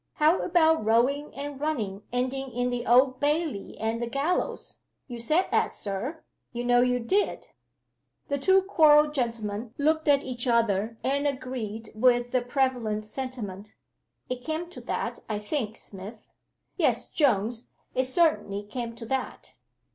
"How about rowing and running ending in the Old Bailey and the gallows? You said that, Sir you know you did!" The two choral gentlemen looked at each other, and agreed with the prevalent sentiment. "It came to that, I think, Smith." "Yes, Jones, it certainly came to that."